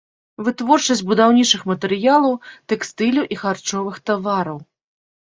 Вытворчасць будаўнічых матэрыялаў, тэкстылю і харчовых тавараў.